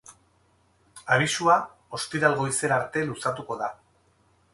Abisua ostiral goizera arte luzatuko da.